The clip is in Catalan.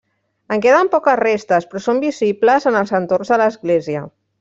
En queden poques restes, però són visibles en els entorns de l'església.